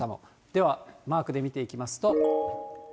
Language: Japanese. ではマークで見ていきますと。